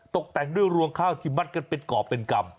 ตกแต่งด้วยรวงข้าวที่มัดกันเป็นกรอบเป็นกรรม